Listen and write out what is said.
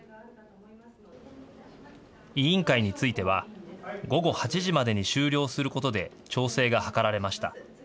委員会については午後８時までに終了することで調整が図られました。